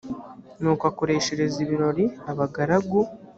nuko akoreshereza ibirori abagaragu